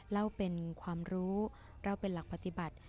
เล่าเป็นความรู้เล่าเป็นหลักปฏิบัติ